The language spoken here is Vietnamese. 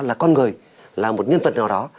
là con người là một nhân vật nào đó